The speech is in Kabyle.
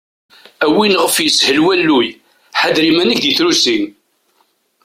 A win ɣef yeshel walluy, ḥader iman-ik di trusi!